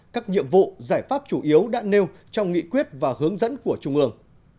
các nhiệm vụ giải pháp chủ yếu đã nêu trong nghị quyết và hướng dẫn của trung ương